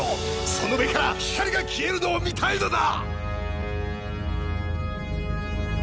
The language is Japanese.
その目から光が消えるのを見たいのだ！